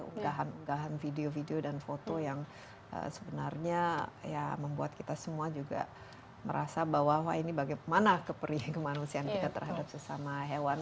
unggahan unggahan video video dan foto yang sebenarnya ya membuat kita semua juga merasa bahwa ini bagaimana keperihan kemanusiaan kita terhadap sesama hewan